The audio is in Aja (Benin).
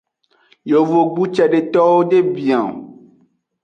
Yovogbu cedewo de bia o.